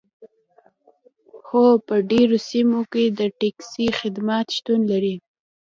هو په ډیرو سیمو کې د ټکسي خدمات شتون لري